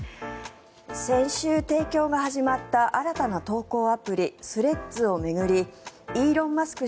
先週、提供が始まった新たな投稿アプリスレッズを巡りイーロン・マスク